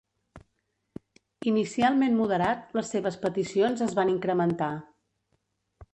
Inicialment moderat les seves peticions es van incrementar.